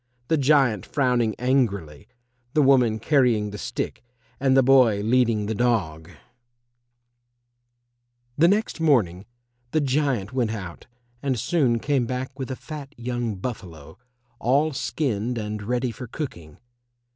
[Illustration: THE GIANT FROWNING ANGRILY, THE WOMAN CARRYING THE STICK AND THE BOY LEADING THE DOG] The next morning the giant went out and soon came back with a fat young buffalo, all skinned and ready for cooking.